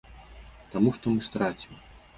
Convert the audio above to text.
Таму што мы страцім.